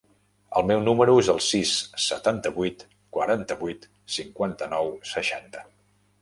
El meu número es el sis, setanta-vuit, quaranta-vuit, cinquanta-nou, seixanta.